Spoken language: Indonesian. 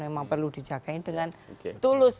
memang perlu dijagain dengan tulus